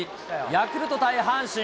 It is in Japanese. ヤクルト対阪神。